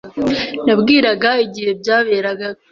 Nabwiraga igihe byaberaga.